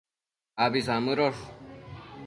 Abi samëdosh